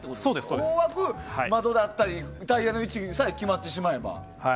大枠、窓だったりタイヤの位置さえ決まってしまえば。